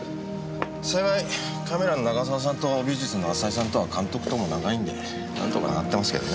幸いカメラの長澤さんと美術の浅井さんとは監督とも長いんで何とかなってますけどね。